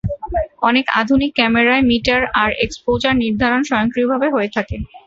অনেক আধুনিক ক্যামেরায় মিটার আর এক্সপোজার নির্ধারণ স্বয়ংক্রিয়ভাবে হয়ে থাকে।